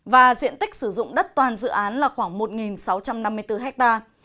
và diện tích sử dụng đất toàn dự án là khoảng một sáu trăm năm mươi bốn hectare